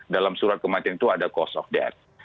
dalam surat kematian itu ada cost of death